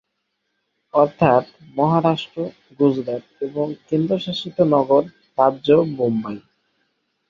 অর্থাৎ, মহারাষ্ট্র, গুজরাট এবং কেন্দ্রশাসিত নগর-রাজ্য বোম্বাই।